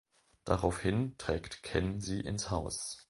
Daraufhin trägt Ken sie ins Haus.